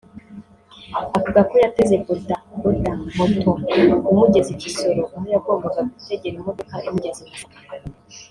Avuga ko yateze Boda Boda (Moto) imugeza i Kisoro aho yagombaga gutegera imodoka imugeza i Masaka